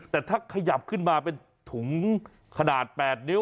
แต่ถ้าขยับขึ้นมาเป็นถุงขนาด๘นิ้ว